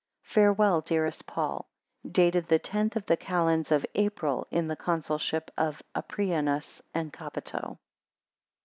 Farewell, dearest Paul. Dated the tenth of the calends of April, in the Consulship of Aprianus and Capito.